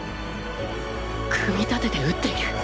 現在組み立てて打っている！？